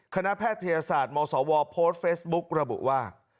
แพทยศาสตร์มศวโพสต์เฟซบุ๊กระบุว่า